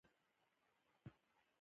مس د افغانانو د ژوند طرز اغېزمنوي.